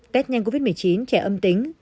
tết nhanh covid một mươi chín trẻ âm tính